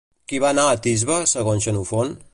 Qui va anar a Tisbe, segons Xenofont?